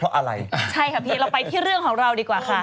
เราไปที่เรื่องของเราดีกว่าค่ะ